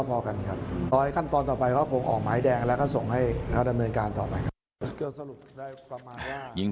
ผู้หญิงไทยเป็นผู้หญิง